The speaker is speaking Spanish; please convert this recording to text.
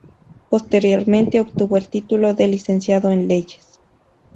Posteriormente, obtuvo el título de Licenciado en Leyes.